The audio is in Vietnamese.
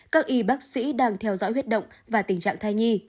các y bác sĩ đang theo dõi huyết động và tình trạng thai nhi